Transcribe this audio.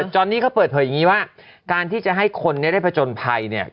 จอนนี่เขาเปิดเผยอย่างนี้ว่าการที่จะให้คนได้ผจญภัยเนี่ย